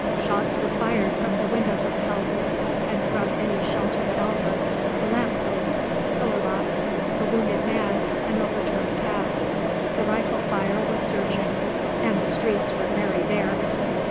Shots were fired from the windows of the houses and from any shelter that offered, a lamp post, a pillar box, a wounded man, an overturned cab. The rifle fire was searching, and the streets were very bare.